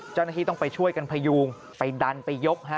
เจ้านักธิต้องไปช่วยกันพยูงไปดันไปยก